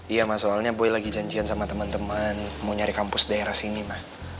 iya ma soalnya boy lagi janjian sama temen temen mau nyari kampus daerah sini ma